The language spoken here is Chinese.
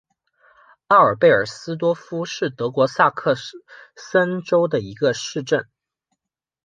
奥尔贝尔斯多夫是德国萨克森州的一个市镇。